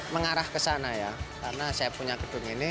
mengarah ke sana ya karena saya punya gedung ini